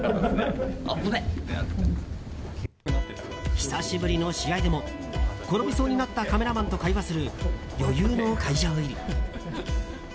久しぶりの試合でも転びそうになったカメラマンと会話する余裕の会場入り。